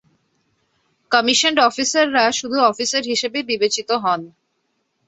Commissioned অফিসাররা শুধু officer হিসেবে বিবেচিত হন।